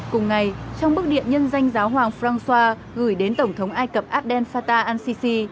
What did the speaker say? cùng ngày trong bức điện nhân danh giáo hoàng francois gửi đến tổng thống ai cập adel fata ansisi